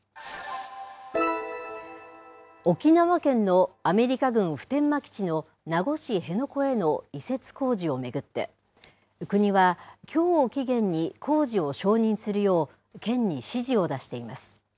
沖縄県のアメリカ軍普天間基地の名護市辺野古への移設工事を巡って、国はきょうを期限に工事を承認するよう、県に指示を出しています。